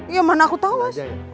ya mana aku tau mas